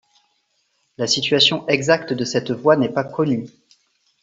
La situation exacte de cette voie n'est pas connue.